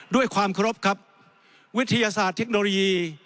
ด้วยความเคารพครับวิทยาศาสตร์เทคโนโลยี